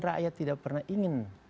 rakyat tidak pernah ingin